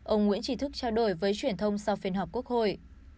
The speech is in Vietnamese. ông nguyễn trí thức trao đổi với truyền thông sau phiên họp quốc hội